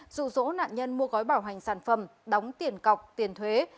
rụ rỗ nạn nhân mua gói bảo hành sản phẩm đóng tiền cọc tiền thuế